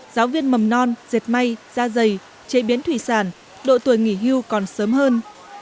giáo viên mầm non dệt may da dày chế biến thủy sản độ tuổi nghỉ hưu còn sớm hơn